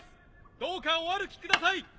どうかお歩きください！